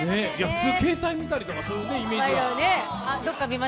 普通、携帯見たりとかそういうイメージが。